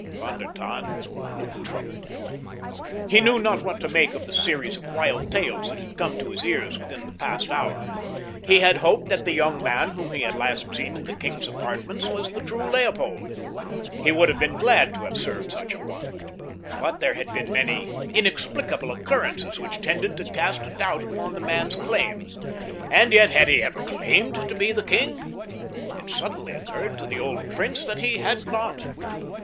Von der Tann looked troubled. He knew not what to make of the series of wild tales that had come to his ears within the past hour. He had hoped that the young man whom he had last seen in the king's apartments was the true Leopold. He would have been glad to have served such a one, but there had been many inexplicable occurrences which tended to cast a doubt upon the man's claims—and yet, had he ever claimed to be the king? It suddenly occurred to the old prince that he had not.